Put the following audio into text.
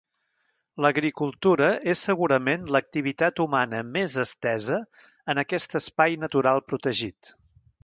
L'agricultura és segurament l'activitat humana més estesa en aquest espai natural protegit.